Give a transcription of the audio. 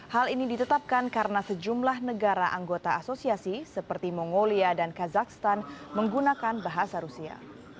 hal ini ditetapkan karena sejumlah negara anggota asosiasi seperti mongolia dan kazakhstan menggunakan bahasa rusia